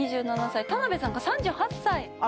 ２７歳田辺さんが３８歳。